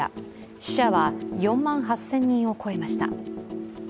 死者は４万８０００人を超えました。